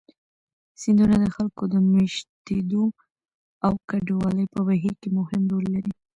سیندونه د خلکو د مېشتېدو او کډوالۍ په بهیر کې مهم رول لري.